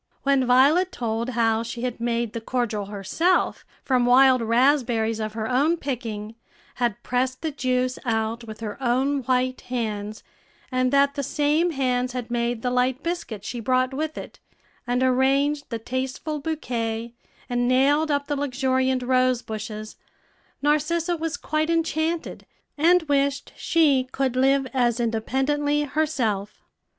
When Violet told how she had made the cordial herself from wild raspberries of her own picking, had pressed the juice out with her own white hands, and that the same hands had made the light biscuit she brought with it, and arranged the tasteful bouquet, and nailed up the luxuriant rosebushes, Narcissa was quite enchanted, and wished she could live as independently herself.